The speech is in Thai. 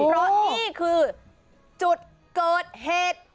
รถนี้คือจุดเกิดเหตุ